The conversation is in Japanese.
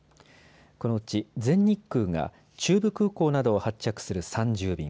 このうち全日空が中部空港などを発着する３０便。